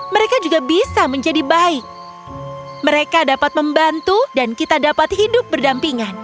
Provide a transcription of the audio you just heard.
mereka juga bisa menjadi baik mereka dapat membantu dan kita dapat hidup berdampingan